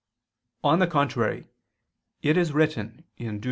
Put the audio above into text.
On the contrary, It is written (Deut.